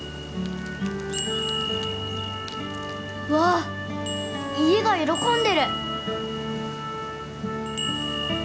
わ家が喜んでる！